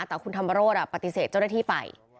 แต่คุณธรรมโรธปฏิเสธเจ้าหน้าที่ไป